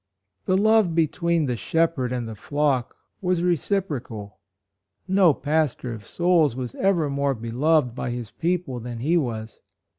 The love between the shepherd and the flock was reciprocal. ~No pastor of souls was ever more be loved by his people than he was.